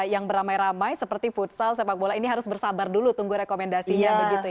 yang beramai ramai seperti futsal sepak bola ini harus bersabar dulu tunggu rekomendasinya begitu ya